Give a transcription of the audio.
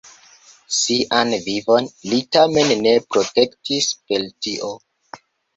Sian vivon li tamen ne protektis per tio.